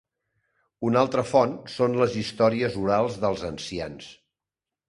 Una altra font són les històries orals dels ancians.